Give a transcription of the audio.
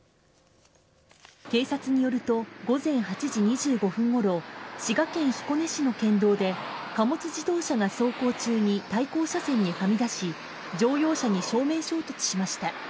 警察によると午前８時２５分ごろ滋賀県彦根市の県道で貨物自動車が走行中に対向車線にはみ出し乗用車に正面衝突しました。